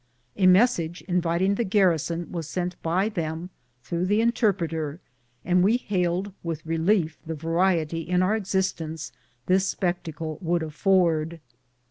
A message inviting the garrison was sent by them, through the interpret er, and we hailed with relief the variety in our exist ence this spectacle would afiord.